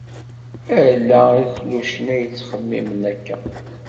Ala iklucen ay yettxemmimen akka.